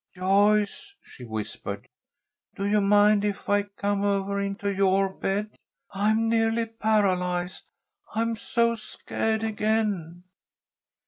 "Joyce," she whispered, "do you mind if I come over into your bed? I'm nearly paralyzed, I'm so scared again."